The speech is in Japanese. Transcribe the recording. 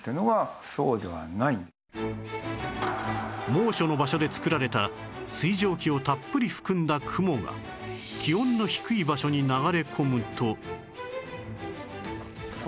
猛暑の場所で作られた水蒸気をたっぷり含んだ雲が気温の低い場所に流れ込むと